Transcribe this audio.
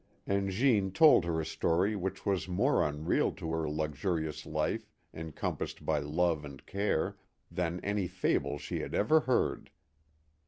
And Jeanne told her a story which was more unreal to her luxurious life encompassed by love and care than any fable she had ever heard.